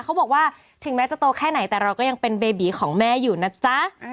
เขาบอกว่าถึงแม้จะโตแค่ไหนแต่เราก็ยังเป็นเบบีของแม่อยู่นะจ๊ะ